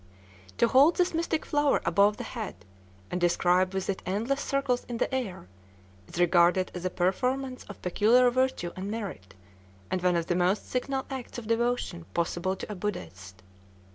To hold this mystic flower above the head, and describe with it endless circles in the air, is regarded as a performance of peculiar virtue and "merit," and one of the most signal acts of devotion possible to a Buddhist.